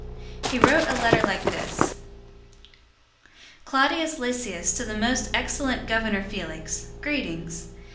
023:025 He wrote a letter like this: 023:026 "Claudius Lysias to the most excellent governor Felix: Greetings.